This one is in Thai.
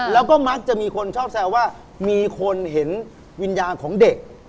แล้วก็มักจะมีคนชอบแซวว่ามีคนเห็นวิญญาณของเด็ก